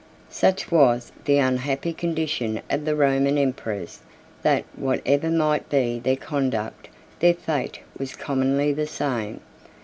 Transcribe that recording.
Such was the unhappy condition of the Roman emperors, that, whatever might be their conduct, their fate was commonly the same.